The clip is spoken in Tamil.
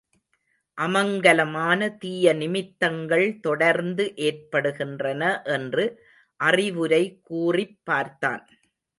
அமங்கலமான தீய நிமித்தங்கள் தொடர்ந்து ஏற்படுகின்றன என்று அறிவுரை கூறிப் பார்த்தான்.